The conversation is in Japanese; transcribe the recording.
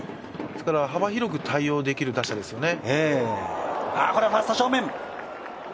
ですから、幅広く対応できる打者ですよね。